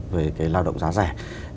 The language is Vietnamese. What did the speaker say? về cái lao động giá rẻ